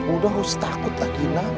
udah gak usah takut lagi lah